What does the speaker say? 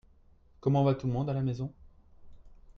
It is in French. Comment va tout le monde à la maison ?